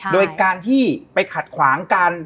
โดยการที่ไปขัดขวางกัน